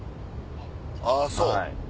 あぁそう？